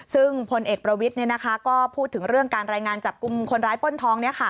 ซึ่งพลเอกประวิทย์ก็พูดถึงเรื่องการรายงานจับกลุ่มคนร้ายป้นทอง